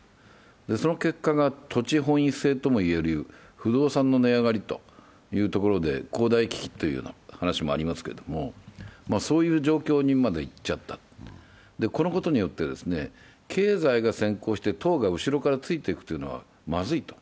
その結果が土地本位性とも言える不動産の値上がりというところで、恒大危機という話もありますけれども、そういう状況にまでいっちゃった、このことによって、経済が先行して、党が後ろからついていくのはまずいと。